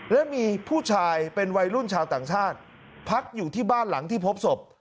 และมีผู้ชายเป็นวัยรุ่นชาวต่างชาติพักอยู่ที่บ้านหลังที่พบศพ